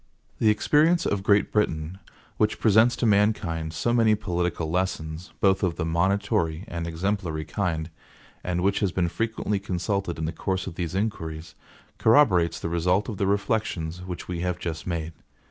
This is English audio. The experience of Great Britain, which presents to mankind so many political lessons, both of the monitory and exemplary kind, and which has been frequently consulted in the course of these inquiries, corroborates the result of the reflections which we have just made.